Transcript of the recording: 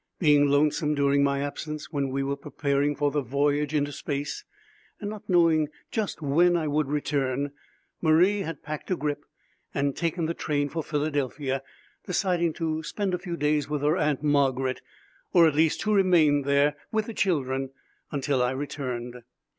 Being lonesome during my absence when we were preparing for the voyage into space, and not knowing just when I would return, Marie had packed a grip and taken the train for Philadelphia, deciding to spend a few days with her Aunt Margaret, or at least to remain there with the children until I returned.